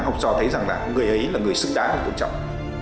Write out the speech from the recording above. học trò thấy rằng là người ấy là người xứng đáng và tôn trọng